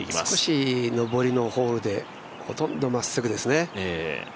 少し上りのホールでほとんどまっすぐですね。